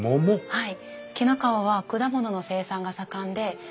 はい。